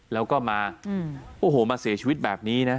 แล้วก็มาโอ้โหมาเสียชีวิตแบบนี้นะ